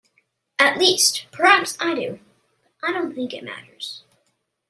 At least, perhaps I do, but I don't think it matters.